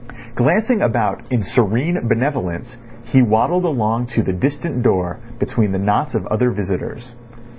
Glancing about in serene benevolence, he waddled along to the distant door between the knots of other visitors.